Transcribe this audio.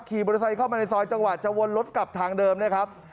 ขี่มอเตอร์ไซค์เข้ามาในซอยจังหวะจะวนรถกลับทางเดิมนะครับ